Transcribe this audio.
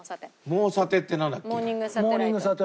『モーサテ』ってなんだっけ？